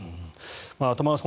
玉川さん